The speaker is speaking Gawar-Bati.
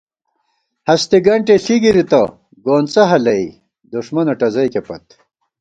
ہستےگنٹے ݪی گِرِتہ گونڅہ ہَلَئ، دُݭمَنہ ٹزَئیکے پت